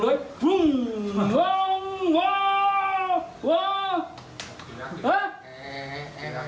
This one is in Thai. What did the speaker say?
อยู่นั่นถึงใกล้แล้วนะเครื่องเหลือ